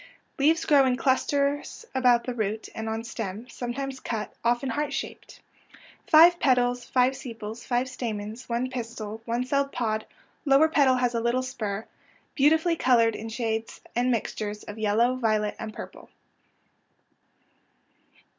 Leaves grow in cluster about the root and on stem — sometimes cut — often heart shaped. Five petals — five sepals — five stamens — one pistil — one celled pod — lower petal has a little spur — beautifully coloured in shades and mixtures of yellow, violet, and purple.